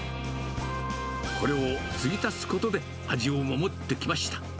これを継ぎ足すことで、味を守ってきました。